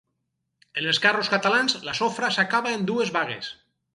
En els carros catalans la sofra s'acaba en dues bagues.